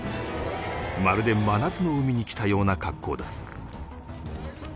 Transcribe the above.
まるで真夏の海に来たような格好だ